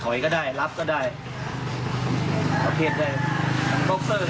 เตรียมป้องกันแชมป์ที่ไทยรัฐไฟล์นี้โดยเฉพาะ